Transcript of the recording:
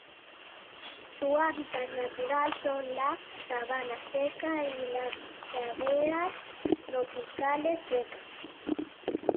Su hábitat natural son la sabana seca y las praderas tropicales secas.